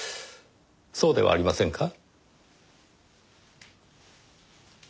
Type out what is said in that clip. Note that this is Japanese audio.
そうではありませんか？